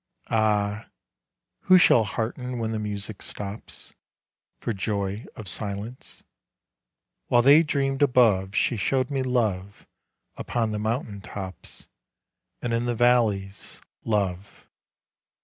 Ah ! who shall hearten when the music stops, For joy of silence ? While they dreamed above She showed me love upon the mountain tops And in the valleys, love.